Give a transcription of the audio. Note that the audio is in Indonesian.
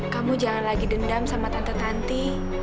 kamu jangan lagi dendam sama tante tante